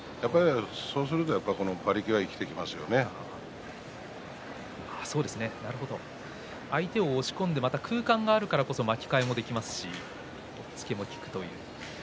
そうすると相手を押し込んで空間があるからこそ巻き替えができますし押っつけも効くという。